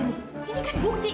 ini kan bukti